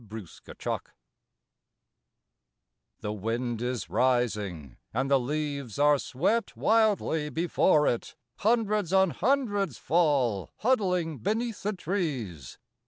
AUTUMN STORM The wind is rising and the leaves are swept Wildly before it, hundreds on hundreds fall Huddling beneath the trees.